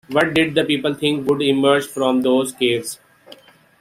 What did the people think would emerge from those caves?